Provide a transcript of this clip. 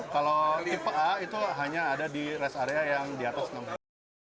kalau tipe a itu hanya ada di rest area yang di atas enam meter